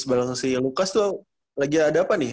james barang si lucas tuh lagi ada apa nih